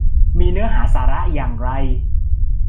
มีเนื้อหาสาระอย่างไร ?